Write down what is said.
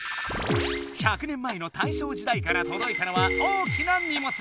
１００年前の大正時代から届いたのは大きな荷物！